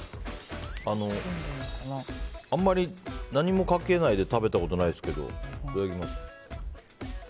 あまり何もかけないで食べたことないですがいただきます。